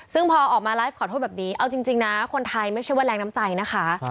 ซึ่งพอออกมาไลฟ์ขอโทษแบบนี้เอาจริงนะคนไทยไม่ใช่ว่าแรงน้ำใจนะคะ